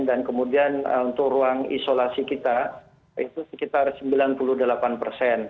dan kemudian untuk ruang isolasi kita itu sekitar sembilan puluh delapan persen